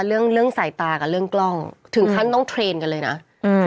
เรื่องเรื่องสายตากับเรื่องกล้องถึงขั้นต้องเทรนด์กันเลยน่ะอืม